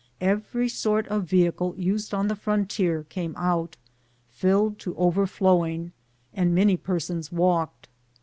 Every sort of vehicle used on the frontier came out, filled to overflowing, and many persons walked.